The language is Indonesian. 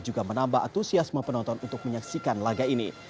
juga menambah atusiasme penonton untuk menyaksikan laga ini